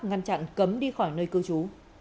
ngăn chặn cấm đi khỏi nơi cư trú